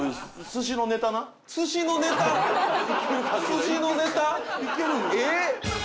寿司のネタ？え？